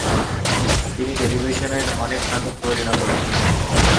তিনি টেলিভিশনের অনেক নাটক প্রযোজনা করেছেন।